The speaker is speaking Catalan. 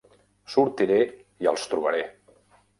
Sortiré i els trobaré!